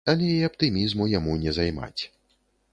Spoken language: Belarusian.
Але і аптымізму яму не займаць.